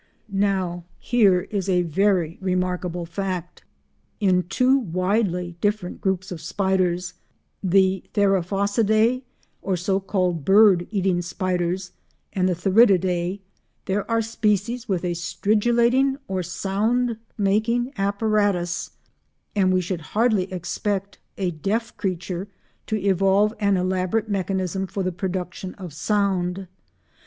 Now here is a very remarkable fact. In two widely different groups of spiders—the Theraphosidae or so called "bird eating spiders" and the Theridiidae—there are species with a stridulating or sound making apparatus, and we should hardly expect a deaf creature to evolve an elaborate mechanism for the production of sound.